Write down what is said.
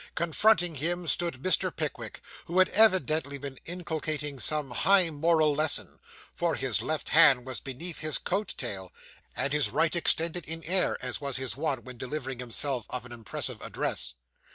Confronting him, stood Mr. Pickwick, who had evidently been inculcating some high moral lesson; for his left hand was beneath his coat tail, and his right extended in air, as was his wont when delivering himself of an impressive address.